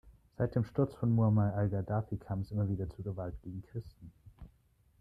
Seit dem Sturz von Muammar al-Gaddafi kam es immer wieder zu Gewalt gegen Christen.